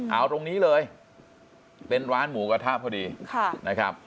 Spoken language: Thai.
เอาตรงนี้เลยเป็นร้านหมูกระทะพอดีนะครับ